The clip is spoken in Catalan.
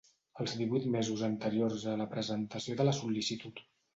Els divuit mesos anteriors a la presentació de la sol·licitud.